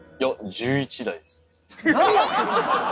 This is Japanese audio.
１１台です。